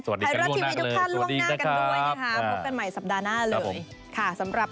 สวัสดีกันล่วงหน้าเลยสวัสดีครับสวัสดีครับพบกันใหม่สัปดาห์หน้าเลยสวัสดีครับ